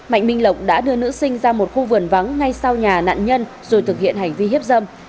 mạnh minh lộc đã đưa nữ sinh ra một khu vườn vắng ngay sau nhà nạn nhân rồi thực hiện hành vi hiếp dâm